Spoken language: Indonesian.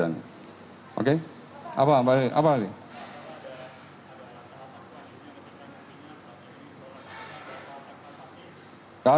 ya tentunya tentunya tentunya kan masih bekerja oke apa apa